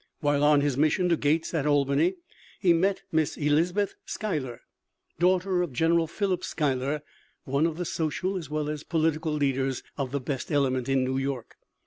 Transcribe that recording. While on his mission to Gates at Albany, he met Miss Elizabeth Schuyler, daughter of General Philip Schuyler, one of the social as well as political leaders of the best element in New York.